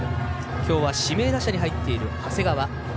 きょうは指名打者に入っている長谷川。